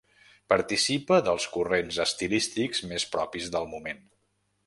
Participa dels corrents estilístics més propis del moment.